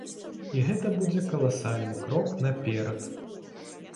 І гэта будзе каласальны крок наперад.